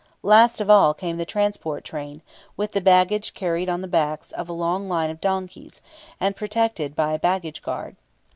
Last of all came the transport train, with the baggage carried on the backs of a long line of donkeys, and protected by a baggage guard.